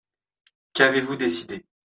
Qu’avez-vous décidé ?